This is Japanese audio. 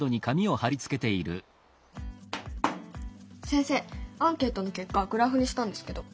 先生アンケートの結果グラフにしたんですけど。